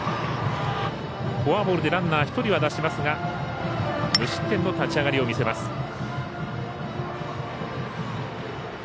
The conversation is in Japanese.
フォアボールでランナー１人は出しますが無失点の立ち上がりを見せます。